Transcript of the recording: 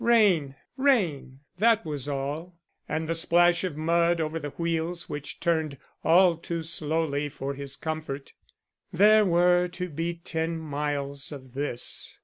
Rain, rain, that was all; and the splash of mud over the wheels which turned all too slowly for his comfort. And there were to be ten miles of this.